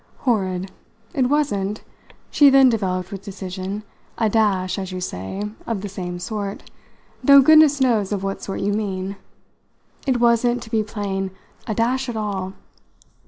"Horrid. It wasn't," she then developed with decision, "a 'dash,' as you say, 'of the same sort' though goodness knows of what sort you mean; it wasn't, to be plain, a 'dash' at all."